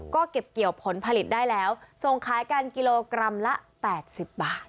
ก็เก็บเกี่ยวผลผลิตได้แล้วส่งขายกันกิโลกรัมละ๘๐บาท